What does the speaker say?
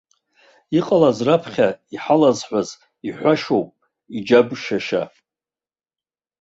Иҟалаз раԥхьа иҳалазҳәаз, иҳәашьоуп иџьабшьаша.